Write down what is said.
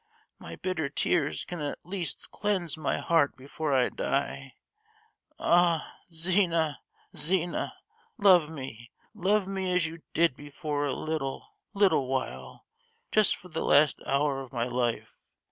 my bitter tears can at least cleanse my heart before I die. Ah! Zina! Zina! love me, love me as you did before for a little, little while! just for the last hour of my life.